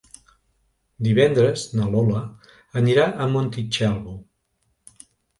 Divendres na Lola anirà a Montitxelvo.